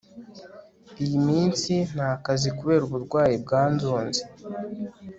iy iminsi ntakazi kubera uburwayi bwanzonze